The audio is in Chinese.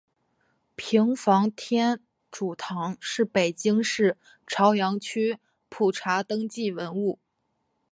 平房天主堂是北京市朝阳区普查登记文物。